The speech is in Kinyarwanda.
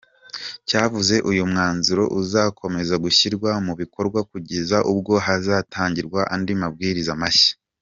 Cyavuze uyu mwanzuro uzakomeza gushyirwa mu bikorwa kugeza ubwo hazatangirwa andi amabwiriza mashya.